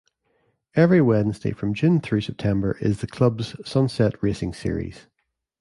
Every Wednesday from June through September is the club's Sunset Racing Series.